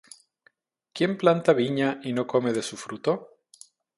¿quién planta viña, y no come de su fruto?